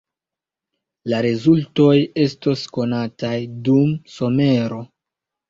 La rezultoj estos konataj dum somero.